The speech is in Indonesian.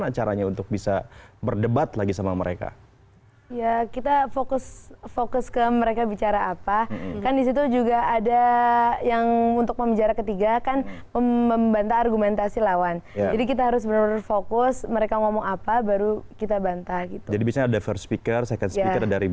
awalan ila layla layla hal tua fitur and alimtihan alwatani besti malik komputer